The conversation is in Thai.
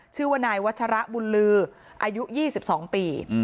ชื่อว่านายวัชระบุญลืออายุ๒๒ปี